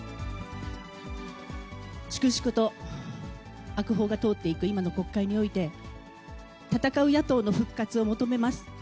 粛々と悪法が通っていく今の国会において、戦う野党の復活を求めます。